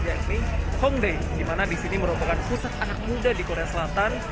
yaitu hongdae dimana di sini merupakan pusat anak muda di korea selatan